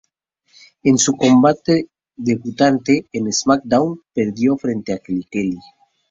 En su combate debutante en "SmackDown", perdió frente a Kelly Kelly.